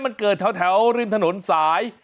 มันเกิดแถวริมถนนสาย